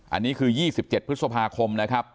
อันนี้คือ๒๗พฤษภาคมนะครับ